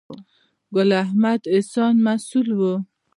ګل احمد احسان مسؤل و.